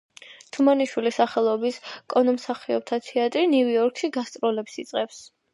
თუმანიშვილის სახელობის კონომსახიობთა თეატრი ნიუ-იორკში გასტროლებს იწყებს.